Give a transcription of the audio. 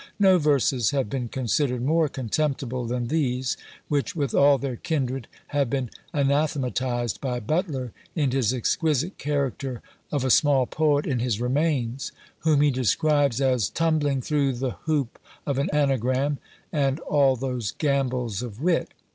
No verses have been considered more contemptible than these, which, with all their kindred, have been anathematised by Butler, in his exquisite character of "a small poet" in his "Remains," whom he describes as "tumbling through the hoop of an anagram" and "all those gambols of wit."